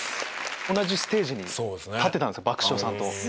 同じステージに立ってたんですか爆笑さんと。